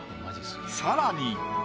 さらに。